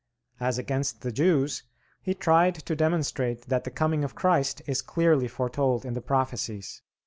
As against the Jews he tried to demonstrate that the coming of Christ is clearly foretold in the Prophecies.